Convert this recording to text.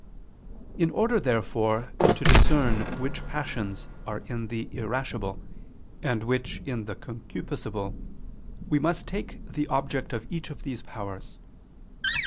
In order, therefore, to discern which passions are in the irascible, and which in the concupiscible, we must take the object of each of these powers.